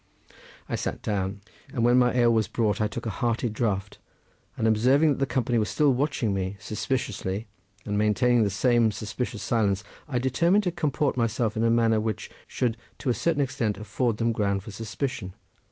I sat down, and when my ale was brought I took a hearty draught, and observing that the company were still watching me suspiciously, and maintaining the same suspicious silence, I determined to comport myself in a manner which should, to a certain extent, afford them ground for suspicion.